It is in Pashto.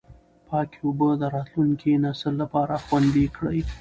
پاکې اوبه د راتلونکي نسل لپاره خوندي کړئ.